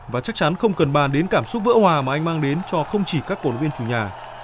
và chắc chắn không cần bàn đến cảm xúc vỡ hòa mà anh mang đến cho không chỉ các cổ động viên chủ nhà